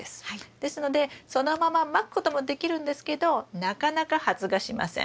ですのでそのまままくこともできるんですけどなかなか発芽しません。